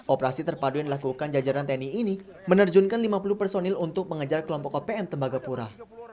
operasi terpadu yang dilakukan jajaran tni ini menerjunkan lima puluh personil untuk mengejar kelompok opm tembagapura